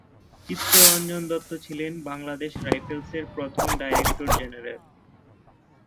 চিত্ত রঞ্জন দত্ত ছিলেন বাংলাদেশ রাইফেলসের প্রথম ডাইরেক্টর জেনারেল।